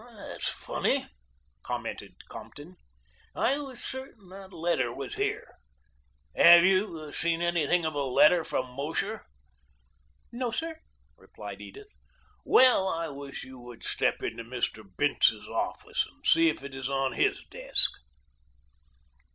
"That's funny," commented Compton. "I was certain that that letter was here. Have you seen anything of a letter from Mosher?" "No, sir," replied Edith. "Well, I wish you would step into Mr. Bince's office, and see if it is on his desk."